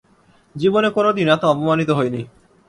জীবনে কোনোদিন এত অপমানিত হইনি।